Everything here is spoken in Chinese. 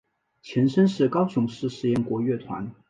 前身是高雄市实验国乐团。